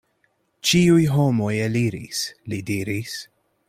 Ĉiuj homoj eliris, li diris.